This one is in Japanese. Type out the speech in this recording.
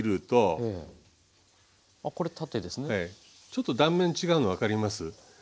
ちょっと断面違うの分かります？